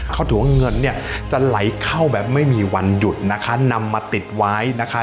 เขาถือว่าเงินเนี่ยจะไหลเข้าแบบไม่มีวันหยุดนะคะนำมาติดไว้นะคะ